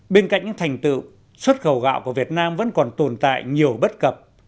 bên cạnh những thành tựu xuất khẩu gạo của việt nam vẫn còn tồn tại nhiều bất cập